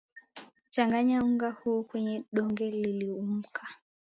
changanya unga huo kwenye donge liliumka